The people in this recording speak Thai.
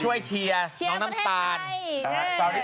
เชียร์น้องน้ำตาล